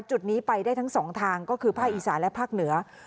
จุดนี้ไปได้ทั้งสองทางก็คือภาคอีสานและภาคเหนือ